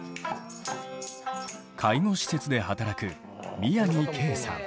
介護施設で働く宮城圭さん。